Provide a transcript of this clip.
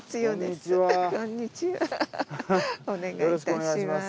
お願いいたします。